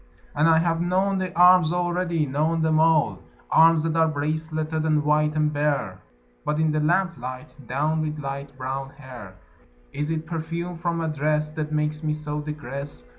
And I have known the arms already, known them all Arms that are braceleted and white and bare [But in the lamplight, downed with light brown hair!] Is it perfume from a dress That makes me so digress?